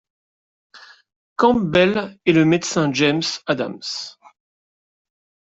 Campbell, et le médecin James Adams.